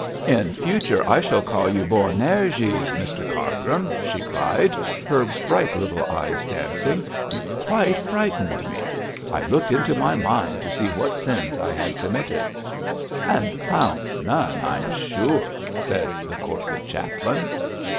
'In future I shall call you Boanerges, Mr Cargrim,' she cried, her bright little eyes dancing. 'You quite frightened me. I looked into my mind to see what sins I had committed.' 'And found none, I'm sure,' said the courtly chaplain.